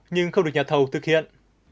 nhưng không được nhà thầu thực hiện